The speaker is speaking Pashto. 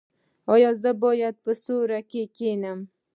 ایا زه باید په سیوري کې کینم؟